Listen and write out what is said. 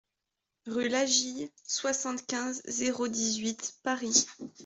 RUE LAGILLE, soixante-quinze, zéro dix-huit Paris